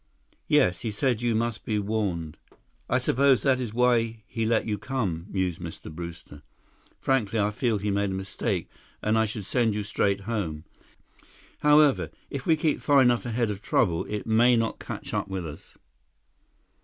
"Yes, he said you must be warned." "I suppose that is why he let you come," mused Mr. Brewster. "Frankly, I feel he made a mistake, and I should send you straight home. However, if we keep far enough ahead of trouble, it may not catch up with us."